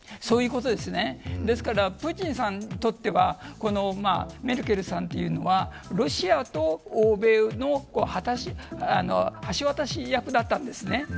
そういうことです、ですからプーチンさんにとってはメルケルさんというのはロシアと欧米の橋渡し役だったんですね。